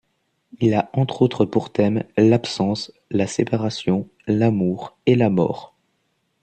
Il a entre autres pour thèmes l’absence, la séparation, l'amour et la mort.